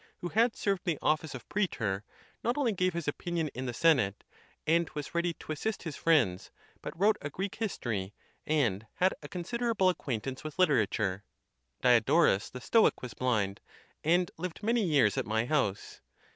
who had served the office of preetor, not only gave his opinion in the Senate, and was ready to assist his friends, but wrote a Greek history, and had a considerable ac quaintance with literature. Diodorus the Stoic was blind, and lived many years at my house.